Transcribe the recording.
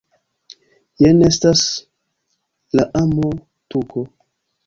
Jen estas la amo-tuko